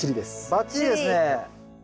バッチリですね。